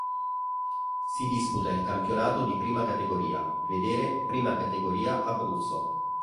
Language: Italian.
Si disputa il campionato di Prima Categoria: vedere Prima Categoria Abruzzo.